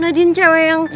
nadine cewek yang